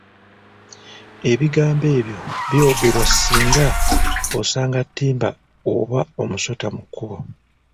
Ebigambo ebyo byogerwa singa osanga ttimba oba omusota mu kkubo.